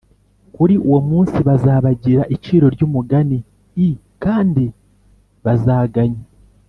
Kuri uwo munsi bazabagira iciro ry umugani l kandi bazaganya